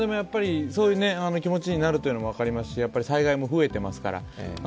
そういう気持ちになるのも分かりますし災害も増えていますから。